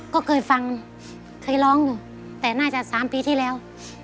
ก็เคยฟังเคยร้องอยู่แต่น่าจะ๓ปีที่แล้ว